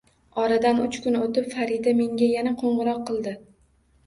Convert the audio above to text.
Oradan uch kun o`tib, Farida menga yana qo`ng`iroq qildi